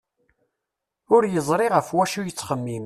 Ur yeẓri ɣef wacu i yettxemmim.